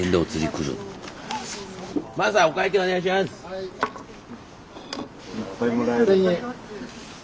はい。